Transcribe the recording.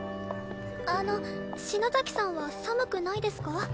あの篠崎さんは寒くないですか？